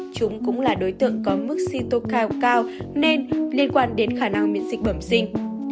chúng cũng là đối tượng có mức suy tôn cao cao nên liên quan đến khả năng miễn dịch bẩm sinh